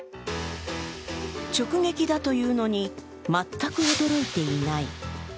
直撃だというのに、全く驚いていない。